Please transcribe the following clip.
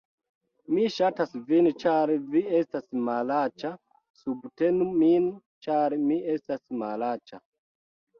Mi ŝatas vin ĉar vi estas malaĉa subtenu min ĉar mi estas malaĉa